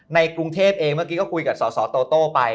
ในกรุงเทพเองเมื่อกี้ก็คุยกับสสโตโต้ไป